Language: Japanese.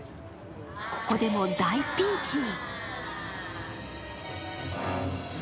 ここでも大ピンチに。